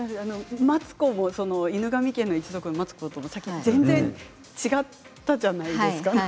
「犬神家の一族」の松子と全然違ったじゃないですか。